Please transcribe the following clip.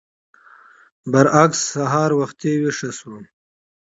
برعکس سهار وختي ويښه شوم.